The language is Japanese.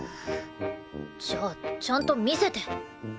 じゃあちゃんと見せて。